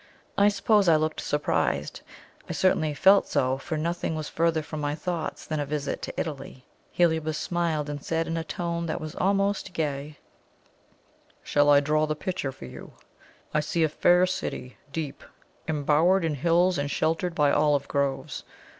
I suppose I looked surprised; I certainly felt so, for nothing was further from my thoughts than a visit to Italy. Heliobas smiled, and said in a tone that was almost gay: "Shall I draw the picture for you? I see a fair city, deep embowered in hills and sheltered by olive groves.